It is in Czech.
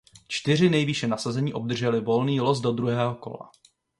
Čtyři nejvýše nasazení obdrželi volný los do druhého kola.